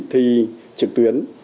thi trực tuyến